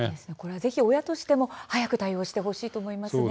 ぜひ親としても早く対応してほしいと思いますね。